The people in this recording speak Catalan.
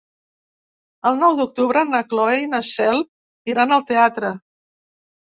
El nou d'octubre na Cloè i na Cel iran al teatre.